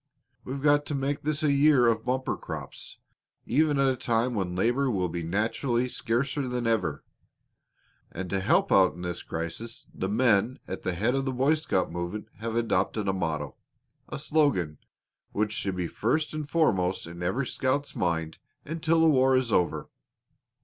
We've got to make this a year of bumper crops, even at a time when labor will naturally be scarcer than ever. And to help out in this crisis the men at the head of the Boy Scout movement have adopted a motto a slogan which should be first and foremost in every scout's mind until the war is over.